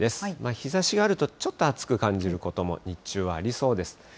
日ざしがあると、ちょっと暑く感じることも、日中はありそうです。